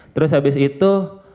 terus habis itu